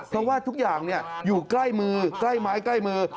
เพราะว่าทุกอย่างอยู่ใกล้มือใกล้ไม้ใกล้มือ